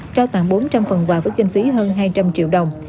trao tặng bốn trăm linh phần quà với kinh phí hơn hai trăm linh triệu đồng